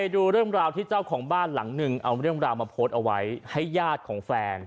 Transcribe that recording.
ดูเรื่องราวที่เจ้าของบ้านหลังหนึ่งเอาเรื่องราวมาโพสต์เอาไว้ให้ญาติของแฟน